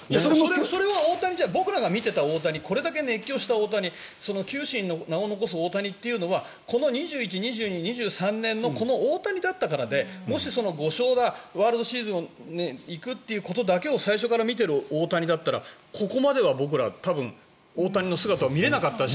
それは僕らが見てた大谷これだけ熱狂した大谷球史に名を残す大谷というのはこの２１、２２、２３年のこの３年の大谷だったからでもし５勝だ、ワールドシリーズに行くってことだけを最初から見ている大谷だったらここまでは僕ら多分、大谷の姿を見れなかったし。